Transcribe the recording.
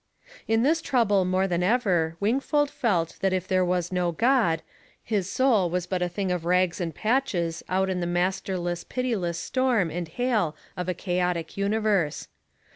In this trouble more than ever Wingfold felt that if there was no God, his soul was but a thing of rags and patches out in the masterless pitiless storm and hail of a chaotic universe.